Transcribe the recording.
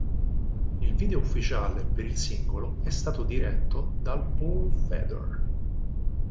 Il video ufficiale per il singolo è stato diretto da Paul Fedor.